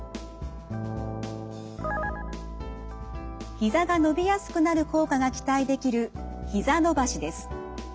ひざが伸びやすくなる効果が期待できるひざ伸ばしです。